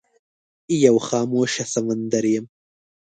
یو خاموشه سمندر یم